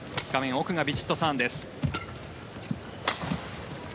奥がヴィチットサーンです。